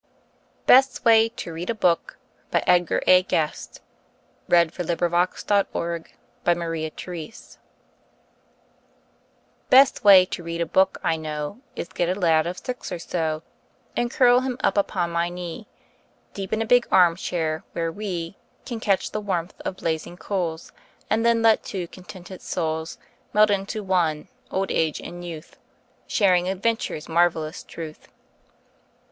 Than that of him who is a boy, a little boy on Christmas Day. Best Way to Read a Book Best way to read a book I know Is get a lad of six or so, And curl him up upon my knee Deep in a big arm chair, where we Can catch the warmth of blazing coals, And then let two contented souls Melt into one, old age and youth, Sharing adventure's marvelous truth.